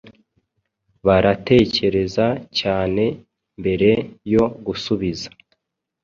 baratekereza cyane mbere yo gusubiza